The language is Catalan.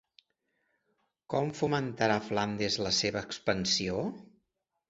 Com fomentarà Flandes la seva expansió?